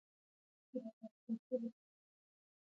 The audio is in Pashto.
ستوني غرونه د افغانستان د اقتصادي ودې لپاره ارزښت لري.